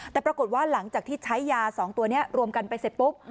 แต่ปรากฏว่าหลังจากที่ใช้ยา๒ตัวนี้รวมกันไปเสร็จปุ๊บ